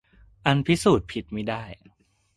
อันพิสูจน์ผิดมิได้